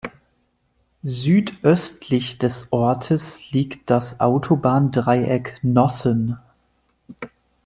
Südöstlich des Ortes liegt das Autobahndreieck Nossen.